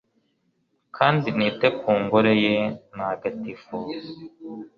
kandi nite ku ngoro ye ntagatifu